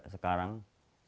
saya selalu berdoa untuk dia